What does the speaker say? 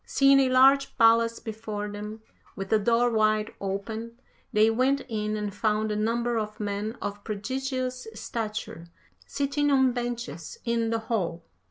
Seeing a large palace before them, with the door wide open, they went in and found a number of men of prodigious stature sitting on benches in the hall.